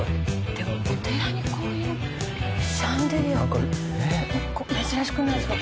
お寺にこういうシャンデリアって珍しくないですか？